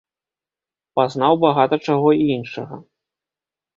Пазнаў багата чаго і іншага.